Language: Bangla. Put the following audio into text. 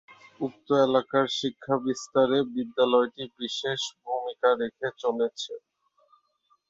উক্ত এলাকার শিক্ষা বিস্তারে বিদ্যালয়টি বিশেষ ভূমিকা রেখে চলেছে।